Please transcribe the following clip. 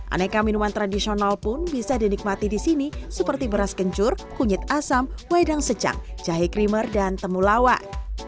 aneka minuman tradisional pun bisa dinikmati di sini seperti beras kencur kunyit asam wedang secang jahe krimer dan temulawak